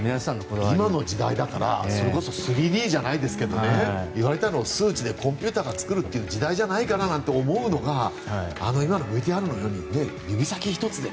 今の時代だからそれこそ３Ｄじゃないですけどいわれたのを数値でコンピューターが作る時代じゃないかななんて思うのが今のＶＴＲのように指先１つで。